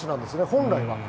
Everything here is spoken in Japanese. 本来は。